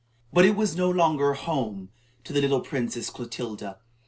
But it was no longer "home" to the little Princess Clotilda.